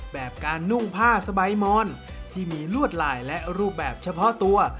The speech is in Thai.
แบบการนุ่งผ้าสบายมอนที่มีลวดลายและรูปแบบเฉพาะตัว